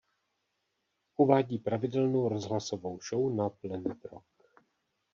Uvádí pravidelnou rozhlasovou show na Planet Rock.